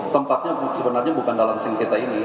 tempatnya sebenarnya bukan dalam sengketa ini